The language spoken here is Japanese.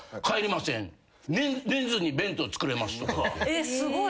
えっすごい。